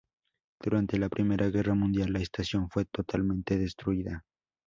Durante la Primera Guerra Mundial, la estación fue totalmente destruida.